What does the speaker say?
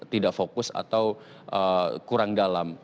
tidak fokus atau kurang dalam